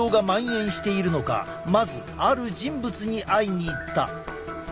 まずある人物に会いに行った。